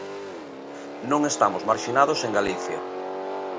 Non estamos marxinados en Galicia.